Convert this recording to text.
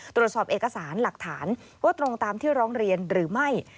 ตรวจสอบเอกสารหลักฐานว่าตรงตามที่ร้องเรียนหรือไม่